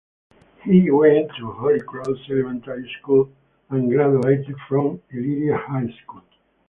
He went to Holy Cross Elementary School and graduated from Elyria High School.